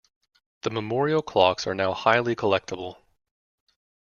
The memorial clocks are now highly collectible.